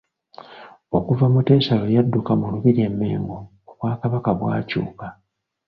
Okuva Muteesa lwe yadduka mu Lubiri e Mengo obwakabaka bwakyuka..